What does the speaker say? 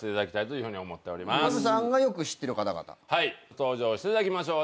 登場していただきましょう。